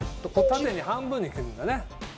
縦に半分に切るんだね。